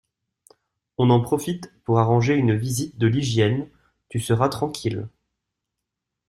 On en profite pour arranger une visite de l’hygiène, tu seras tranquille